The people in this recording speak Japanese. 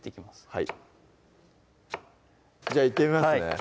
はいじゃあいってみますね